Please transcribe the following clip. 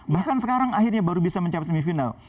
bahkan sekarang akhirnya baru bisa mencapai semifinal